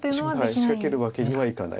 仕掛けるわけにはいかないです。